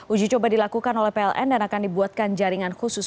uji coba dilakukan oleh pln dan akan dibuatkan jaringan khusus